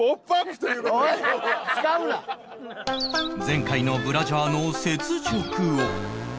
前回のブラジャーの雪辱を